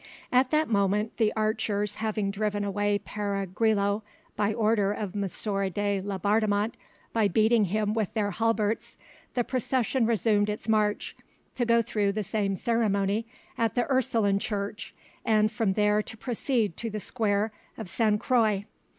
At that moment, the archers having driven away Pere Grillau, by order of M. de Laubardemont, by beating him with their halberts, the procession resumed its march, to go through the same ceremony at the Ursuline church, and from there to proceed to the square of Sainte Croix.